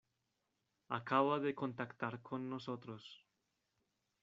acaba de contactar con nosotros.